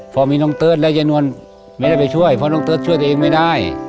พอมีน้องเติร์ทและยายนวลไม่ได้ไปช่วยเพราะน้องเติร์ทช่วยตัวเองไม่ได้